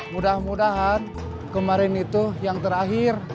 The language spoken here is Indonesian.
mudah mudahan kemarin itu yang terakhir